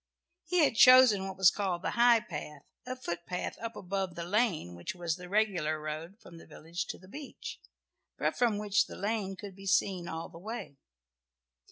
He had chosen what was called the high path, a footpath up above the lane, which was the regular road from the village to the beach, but from which the lane could be seen all the way.